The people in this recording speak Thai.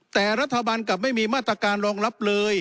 แต่รัฐบาลกลับไม่มีมาตรการรองรับเลย